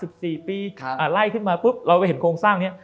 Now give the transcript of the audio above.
สิบสิบปีอ่ะไหลขึ้นมาปุ๊บเราไปเห็นโครงสร้างเนี่ย